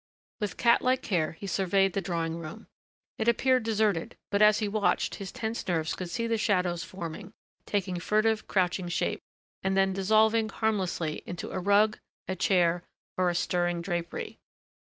With cat like care he surveyed the drawing room; it appeared deserted but as he watched his tense nerves could see the shadows forming, taking furtive, crouching shape and then dissolving harmlessly into a rug, a chair, or a stirring drapery.